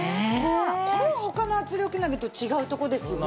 これも他の圧力鍋と違うとこですよね。